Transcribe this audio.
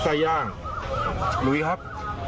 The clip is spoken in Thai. ไส้ย่างรุ้วิครับ